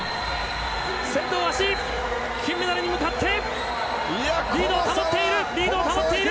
先頭は大橋金メダルに向かってリードを保っている！